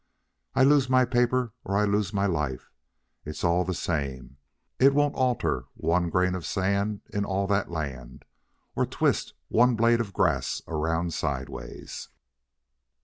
I lose my paper, or I lose my life, it's all the same; it won't alter one grain of sand in all that land, or twist one blade of grass around sideways.